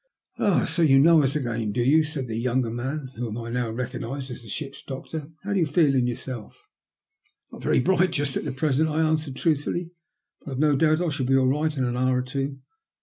" So you know us again, do you ?" said the younger man, whom I now recognised as the ship's doctor. '* How do you feel in yourself? "" Not very bright just at present," I answered truthfully. "But I've no doubt I shall be all right in an hour or two."